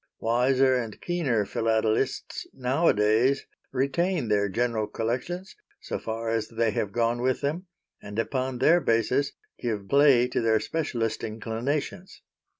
Wiser and keener Philatelists nowadays retain their general collections, so far as they have gone with them, and upon their basis give play to their specialist inclinations.